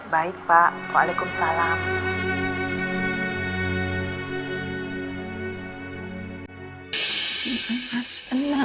baik pak waalaikumsalam